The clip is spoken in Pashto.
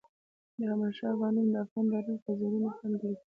د احمد شاه بابا نوم د افغان تاریخ په زرینو پاڼو کې لیکل سوی.